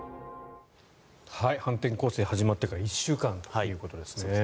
反転攻勢、始まってから１週間ということですね。